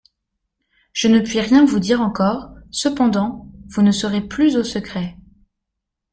Je ne puis rien vous dire encore, cependant vous ne serez plus au secret.